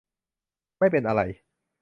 ไม่เป็นอะไร